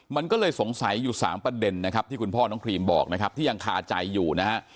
มันก็เลยสงสัยอยู่๓ประเด็นนะครับที่คุณพ่อน้องครีมบอกนะครับที่ยังคาใจอยู่นะฮะ